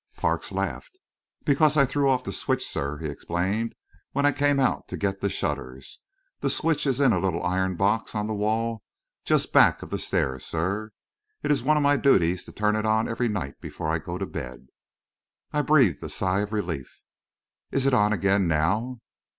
Parks laughed. "Because I threw off the switch, sir," he explained, "when I came out to get the shutters. The switch is in a little iron box on the wall just back of the stairs, sir. It's one of my duties to turn it on every night before I go to bed." I breathed a sigh of relief. "Is it on again, now?"